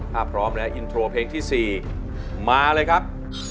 ถ้าพร้อมแล้วอินโทรเพลงที่๔มาเลยครับ